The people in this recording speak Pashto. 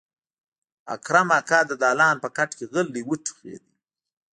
اکرم اکا د دالان په کټ کې غلی وټوخېد.